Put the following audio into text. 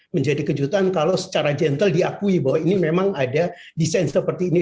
menjadi kejutan kalau secara gentle diakui bahwa ini memang ada desain seperti ini